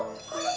kok lu mukul gue